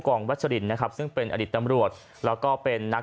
วัชรินนะครับซึ่งเป็นอดีตตำรวจแล้วก็เป็นนัก